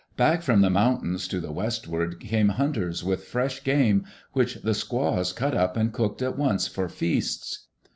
Back from the moun tains to die westward came hunters with fresh game, which the squaws cut up and cooked at once for feasts.